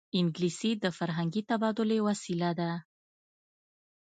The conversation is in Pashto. انګلیسي د فرهنګي تبادلې وسیله ده